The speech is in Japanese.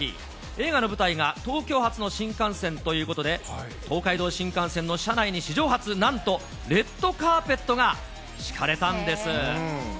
映画の舞台が東京発の新幹線ということで、東海道新幹線の車内に史上初、なんとレッドカーペットが敷かれたんです。